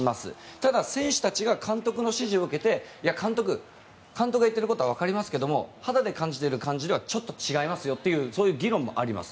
ただ、選手たちが監督の指示を受けて監督、監督が言ってることはわかりますけど肌で感じている感じではちょっと違いますよというそういう議論もあります。